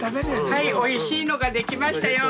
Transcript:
はいおいしいのができましたよ。